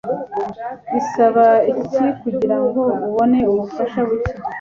Bisaba iki kugirango ubone ubufasha buke?